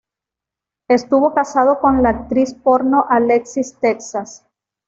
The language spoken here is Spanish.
Estuvo casado con la actriz porno Alexis Texas.